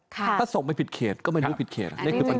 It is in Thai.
ถ้าส่งไปผิดเขตก็ไม่รู้ผิดเขต